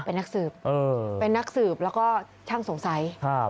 เป็นนักสืบเออเป็นนักสืบแล้วก็ช่างสงสัยครับ